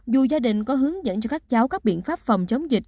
dù gia đình có hướng dẫn cho các cháu các biện pháp phòng chống dịch